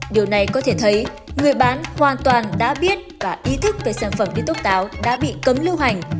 điều này có thể thấy người bán hoàn toàn đã biết và ý thức về sản phẩm đi tốc táo đã bị cấm lưu hành